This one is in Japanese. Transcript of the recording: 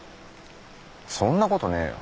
そんなことねえよ。